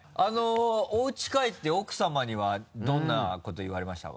おうち帰って奥さまにはどんなこと言われましたか？